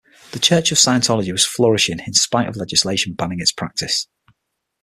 The Church of Scientology was flourishing in spite of the legislation banning its practice.